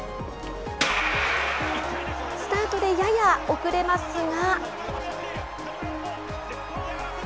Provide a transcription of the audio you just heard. スタートでやや遅れますが。